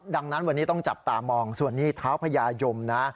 ดังนั้นวันนี้ต้องจับตามองส่วนนี้เท้าพญายมนะ